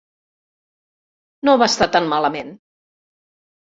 No va estar tan malament.